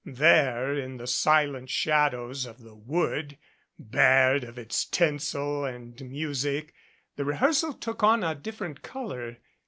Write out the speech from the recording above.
There in the silent shadows of the wood, bared of its tinsel and music, the rehearsal took on a different color.